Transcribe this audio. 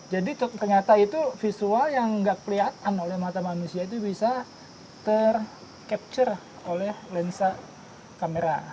jadi ternyata itu visual yang nggak kelihatan oleh mata manusia itu bisa ter capture oleh lensa kamera